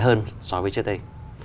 hơn so với trước đây